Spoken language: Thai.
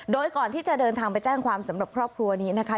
โดยก่อนที่จะเดินทางไปแจ้งความสำหรับครอบครัวนี้นะคะ